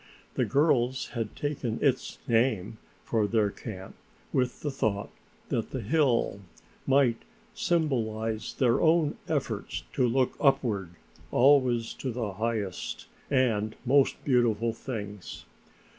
The girls had taken its name for their camp with the thought that the hill might symbolize their own efforts to look upward always to the highest and most beautiful things.